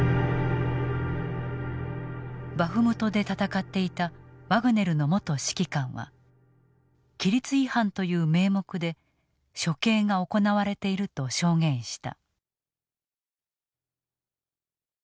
バフムトで戦っていたワグネルの元指揮官は規律違反という名目で処刑が行われていると証言した。